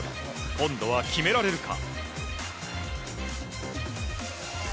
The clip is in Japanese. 今度は決められるか。